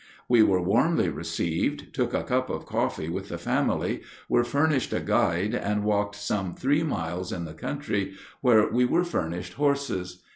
We were warmly received, took a cup of coffee with the family, were furnished a guide, and walked some three miles in the country, where we were furnished horses.